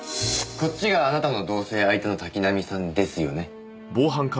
こっちがあなたの同棲相手の滝浪さんですよね？